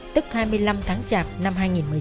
tức hai mươi năm tháng chạp năm hai nghìn một mươi sáu